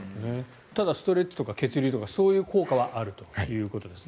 ただストレッチとか血流とかそういう効果はあるということです。